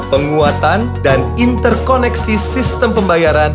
penguatan dan interkoneksi sistem pembayaran